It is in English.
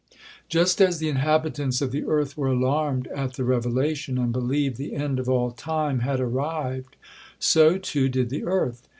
Just as the inhabitants of the earth were alarmed at the revelation, and believed the end of all time had arrived, so too did the earth.